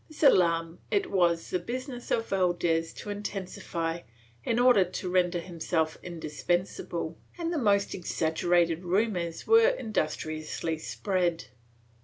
This alarm it was the business of Valdes to intensify, in order to render himself indispensable, and the most exaggerated rumors were industriously spread.